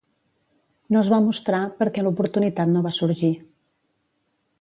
No es va mostrar, perquè l'oportunitat no va sorgir.